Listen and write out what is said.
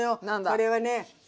これはね。